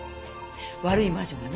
悪い魔女がね